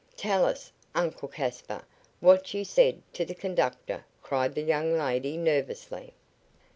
"Tell us, Uncle Caspar, what you said to the conductor," cried the young lady, nervously.